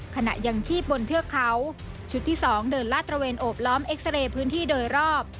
ขณะยังชีพบนเทือกเขาชุดที่๒เดินลาดตระเวนโอบล้อมเอ็กซาเรย์พื้นที่โดยรอบ